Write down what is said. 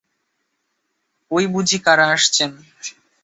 ঐ বুঝি কারা আসছেন।